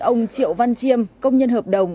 ông triệu văn chiêm công nhân hợp đồng